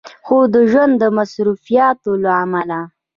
خو د ژوند د مصروفياتو له عمله